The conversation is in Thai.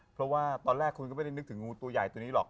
เพราะว่าตอนแรกคุณก็ไม่ได้นึกถึงงูตัวใหญ่ตัวนี้หรอก